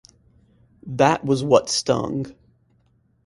That was what stung.